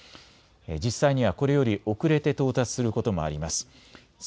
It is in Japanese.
実際にはこれより遅れて到達することもあります。